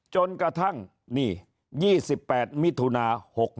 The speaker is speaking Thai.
จนกระทั่ง๒๘มิถุนา๖๑